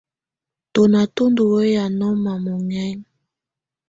Tɔ̀nà tù ndù wɛya nɔma muhɛna.